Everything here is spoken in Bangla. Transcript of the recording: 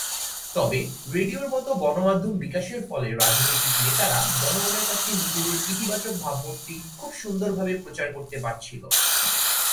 তবে রেডিওর মতো গণমাধ্যম বিকাশের ফলে রাজনৈতিক নেতারা জনগণের কাছে নিজেদের ইতিবাচক ভাবমূর্তি খুব সুন্দরভাবে প্রচার করতে পারছিল।